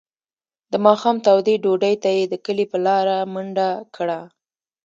د ماښام تودې ډوډۍ ته یې د کلي په لاره منډه کړه.